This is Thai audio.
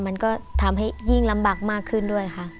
มันก็ทำให้ยิ่งลำบากมากขึ้นด้วยค่ะ